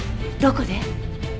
どこで？